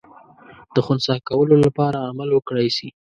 د خنثی کولو لپاره عمل وکړای سي.